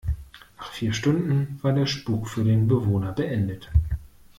Nach vier Stunden war der Spuk für den Bewohner beendet.